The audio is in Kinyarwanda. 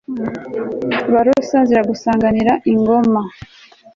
barosa ziragusanganira ingoma